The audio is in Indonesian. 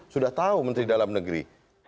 sudah tahu menteri dalam negeri